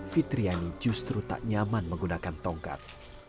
fitriani justru tak nyaman menggunakan tongkat